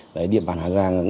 đấy điện bản hà giang